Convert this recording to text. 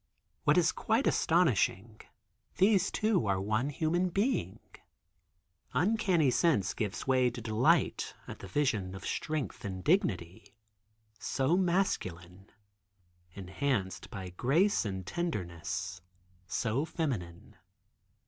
What is quite astonishing, these two are one human being. Uncanny sense gives way to delight at the vision of strength and dignity, so masculine; enhanced by grace and tenderness, so feminine.